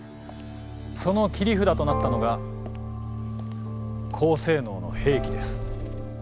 その切り札となったのが高性能の兵器です。